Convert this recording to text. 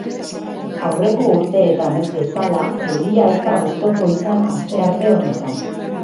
Aurreko urteetan ez bezala, euria ez da oztopo izan astearte honetan.